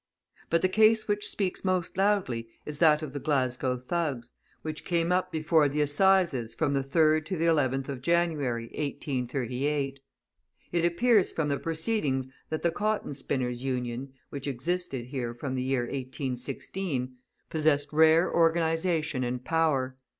But the case which speaks most loudly is that of the Glasgow Thugs, {221a} which came up before the Assizes from the 3rd to the 11th of January, 1838. It appears from the proceedings that the Cotton Spinners' Union, which existed here from the year 1816, possessed rare organisation and power.